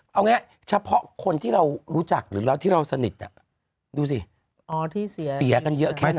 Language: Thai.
เอาง่ายเฉพาะคนที่เรารู้จักหรือเราที่เราสนิทดูสิเสียกันเยอะแค่ไหน